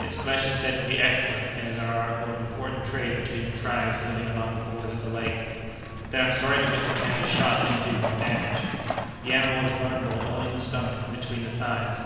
Its flesh is said to be excellent and is an article of important trade between the tribes living along the borders of the lake." "Then I'm sorry that Mr. Kennedy's shot didn't do more damage." "The animal is vulnerable only in the stomach and between the thighs.